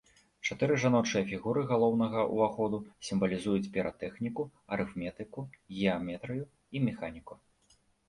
Чатыры жаночыя фігуры галоўнага ўваходу сімвалізуюць піратэхніку, арыфметыку, геаметрыю і механіку.